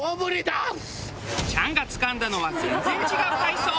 チャンがつかんだのは全然違う海藻。